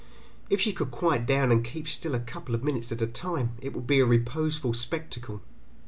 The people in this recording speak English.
If she could quiet down and keep still a couple minutes at a time, it would be a reposeful spectacle.